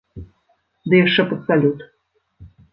Ды яшчэ пад салют!